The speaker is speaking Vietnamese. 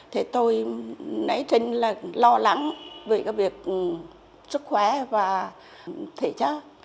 thì tôi nãy trên là lo lắng vì cái việc sức khỏe và thế chứ